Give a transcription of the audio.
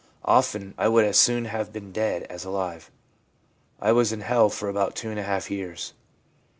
Often I would as soon have been dead as alive. I was in hell for about two and a half years.'